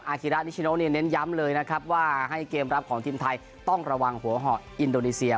คิระนิชโนเน้นย้ำเลยนะครับว่าให้เกมรับของทีมไทยต้องระวังหัวเหาะอินโดนีเซีย